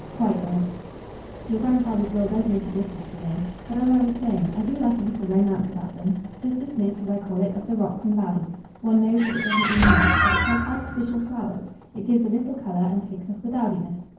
"Quite, aunt." "Your grandfather's will does make a difference, you know. But, as I was saying, I do like a little romance about them, just a sniff, as I call it, of the rocks and valleys. One knows that it doesn't mean much; but it's like artificial flowers, it gives a little colour, and takes off the dowdiness.